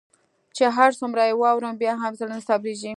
چي هر څومره يي واورم بيا هم زړه نه صبریږي